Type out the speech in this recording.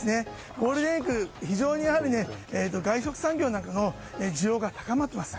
ゴールデンウィーク、非常に外食産業の需要が高まっています。